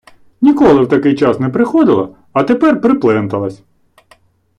Ніколи в такий час не приходила, а тепер припленталась.